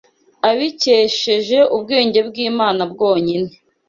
abikesheje ubwenge bw’Imana bwonyine